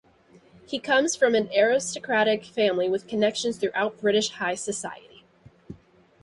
He comes from an aristocratic family with connections throughout British high society.